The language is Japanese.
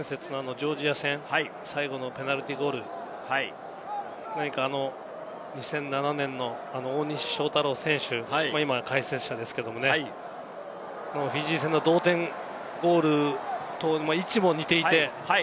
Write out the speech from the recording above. ジョージア戦、最後のペナルティーゴール、何か２００７年の大西将太郎選手、今、解説者ですけれどもね、フィジー戦の同点ゴールと位置も似ていて。